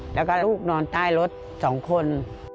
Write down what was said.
แล้วก็ลูกนอนใต้รถ๒คน